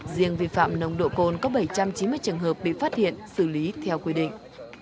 riêng vi phạm nồng độ cồn có bảy trăm chín mươi trường hợp bị phát hiện xử lý theo quy định